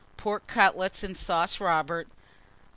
Pork Cutlets and Sauce Robert.